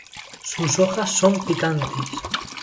Sus hojas son picantes.